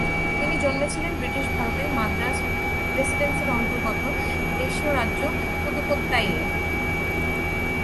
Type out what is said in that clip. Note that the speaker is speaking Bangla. তিনি জন্মেছিলেন ব্রিটিশ ভারতের মাদ্রাজ প্রেসিডেন্সির অন্তর্গত দেশীয় রাজ্য পুদুকোত্তাইয়ে।